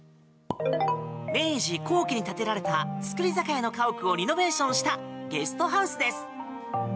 明治後期に建てられた造り酒屋の家屋をリノベーションしたゲストハウスです。